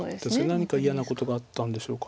何か嫌なことがあったんでしょうか。